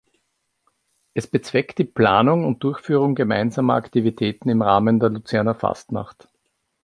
Es bezweckt die Planung und Durchführung gemeinsamer Aktivitäten im Rahmen der Luzerner Fasnacht.